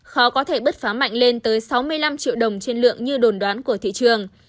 khó có thể bứt phá mạnh lên tới sáu mươi năm triệu đồng trên lượng như đồn đoán của thị trường